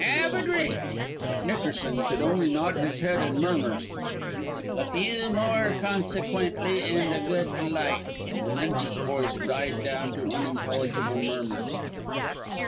'Ave a drink." But Nickerson could only nod his head and murmur: "A few more consequently and a good light " Then his voice died down to unintelligible murmurs.